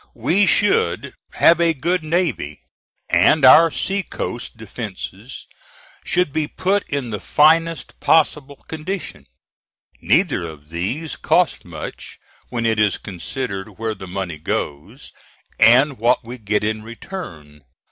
We should have a good navy, and our sea coast defences should be put in the finest possible condition. Neither of these cost much when it is considered where the money goes, and what we get in return.